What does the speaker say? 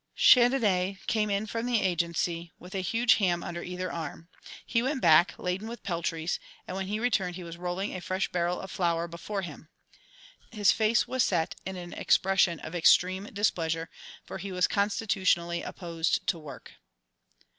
Chandonnais came in from the Agency, with a huge ham under either arm. He went back, laden with peltries, and when he returned, he was rolling a fresh barrel of flour before him. His face was set in an expression of extreme displeasure, for he was constitutionally opposed to work.